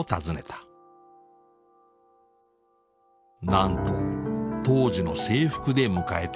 なんと当時の制服で迎えてくれた。